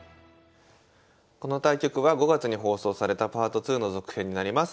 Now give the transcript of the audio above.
この対局は５月に放送された「Ｐａｒｔ２」の続編になります。